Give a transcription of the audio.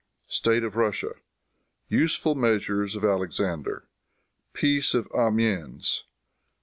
State of Russia. Useful Measures of Alexander. Peace of Amiens.